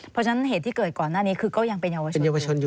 เพราะฉะนั้นเหตุที่เกิดก่อนหน้านี้คือก็ยังเป็นเยาวชนอยู่